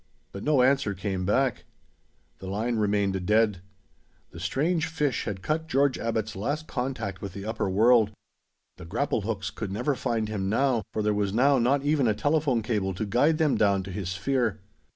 But no answer came back. The line remained dead. The strange fish had cut George Abbot's last contact with the upper world. The grapple hooks could never find him now, for there was now not even a telephone cable to guide them down to his sphere.